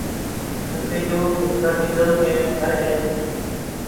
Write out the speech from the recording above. کیونکہ جو ہپناٹزم کے ہر ہیں